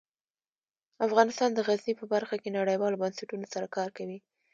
افغانستان د غزني په برخه کې نړیوالو بنسټونو سره کار کوي.